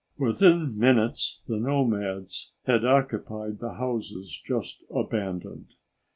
Within minutes, the nomads had occupied the houses just abandoned.